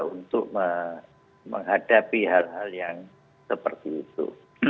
untuk menghadapi hal hal yang seperti itu